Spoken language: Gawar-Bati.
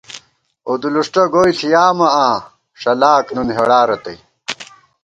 اُدُولُݭٹہ گوئی ݪِیامہ آں، ݭلاک نُون ہېڑارتئ